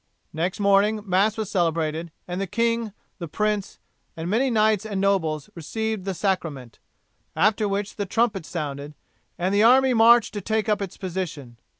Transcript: Next morning, Mass was celebrated, and the king, the prince, and many knights and nobles received the Sacrament, after which the trumpet sounded, and the army marched to take up its position.